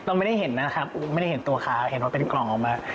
เราไม่ได้เห็นนะครับไม่ได้เห็นตัวเขาเห็นว่าเป็นกล่องออกมา